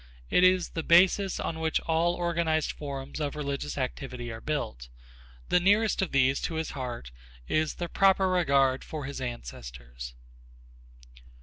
It is the basis on which all organized forms of religious activity are built. The nearest of these to his heart is the proper regard for his ancestors.